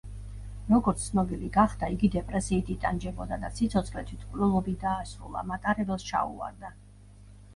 როგორც ცნობილი გახდა, იგი დეპრესიით იტანჯებოდა და სიცოცხლე თვითმკვლელობით დაასრულა, მატარებელს ჩაუვარდა.